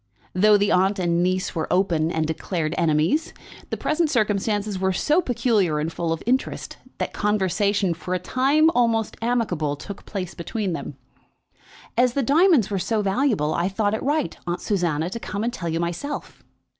Though the aunt and niece were open and declared enemies, the present circumstances were so peculiar and full of interest that conversation, for a time almost amicable, took place between them. "As the diamonds were so valuable, I thought it right, Aunt Susanna, to come and tell you myself."